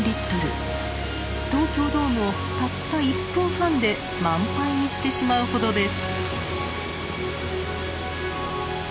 東京ドームをたった１分半で満杯にしてしまうほどです。